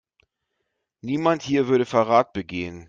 Niemand hier würde Verrat begehen.